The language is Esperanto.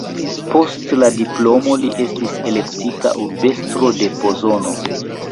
Post la diplomo li estis elektita urbestro de Pozono.